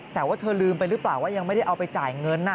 แต่ว่าเธอลืมไปหรือเปล่าว่ายังไม่ได้เอาไปจ่ายเงิน